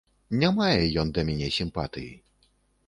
Не мае ён да мяне сімпатыі.